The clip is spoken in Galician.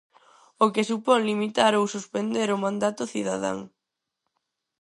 O que supón limitar ou suspender o mandato cidadán.